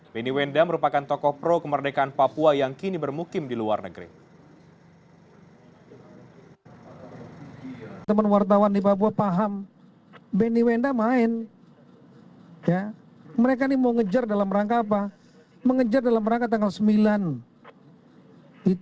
beni wenda merupakan tokoh pro kemerdekaan papua yang kini bermukim di luar negeri